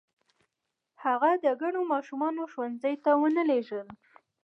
هغه د کڼو ماشومانو ښوونځي ته و نه لېږل شو.